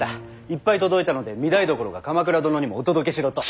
いっぱい届いたので御台所が鎌倉殿にもお届けしろと。